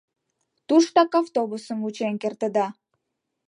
Туштак автобусым вучен кертыда.